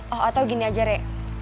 oh atau gini aja rek